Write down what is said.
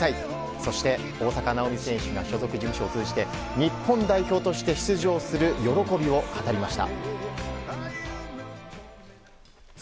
そして、大坂なおみ選手が日本代表として出場する喜びを語りました。